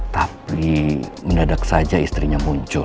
tapi mendadak saja istrinya muncul